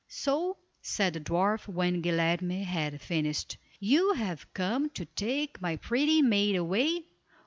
"So," said the dwarf, when Guilerme had finished: "You have come to take my pretty maid away?